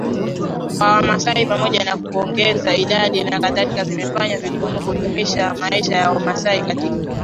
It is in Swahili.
kwa Wamasai pamoja na kuongeza idadi nakadhalika zimefanya vigumu kudumisha maisha ya WamasaiKatika